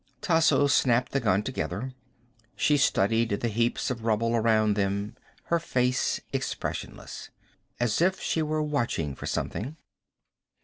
Tasso snapped the gun together. She studied the heaps of rubble around them, her face expressionless. As if she were watching for something.